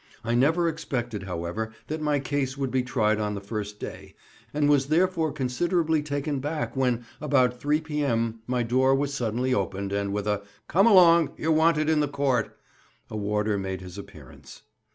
I never expected, however, that my case would be tried on the first day, and was therefore considerably taken back when, about 3 P.M., my door was suddenly opened, and with a "Come along, you're wanted in the Court," a warder made his appearance.